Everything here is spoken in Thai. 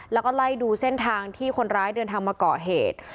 แล้วก็ไล่ดูเส้นทางที่คนร้ายเดินทางมาเกาะเหตุ